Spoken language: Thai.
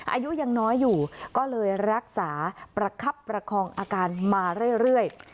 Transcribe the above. อายุยังน้อยอยู่ก็เลยรักษาประคับประคองอาการมาเรื่อย